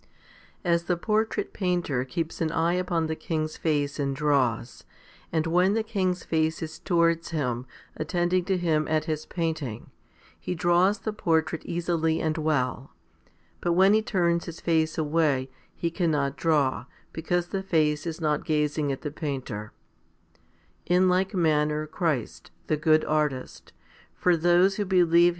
4. As the portrait painter keeps an eye upon the king's face and draws, and when the king's face is towards him, attending to him at his painting, he draws the portrait easily and well, but when he turns his face away, he cannot draw, because the face is not gazing at the painter ; in like manner Christ, the good artist, for those who believe Him 1 John iii.